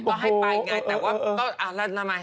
ก็ให้ไปไงแต่ว่าก็แล้วทำไม